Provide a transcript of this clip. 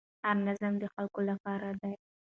هر نظام د خلکو لپاره دی